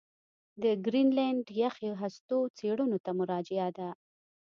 د ګرینلنډ یخي هستو څېړنو ته مراجعه ده